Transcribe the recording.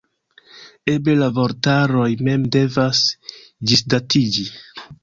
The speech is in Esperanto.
Eble la vortaroj mem devas ĝisdatiĝi.